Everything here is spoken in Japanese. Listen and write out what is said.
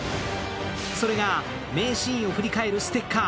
それが名シーンを振り返るステッカー。